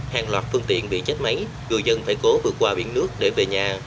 hàng loạt phương tiện bị chết máy người dân phải cố vượt qua biển nước để về nhà